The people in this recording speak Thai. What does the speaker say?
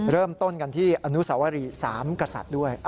เริ่มต้นกันที่อนุสาวรีสามกษัตริย์ด้วย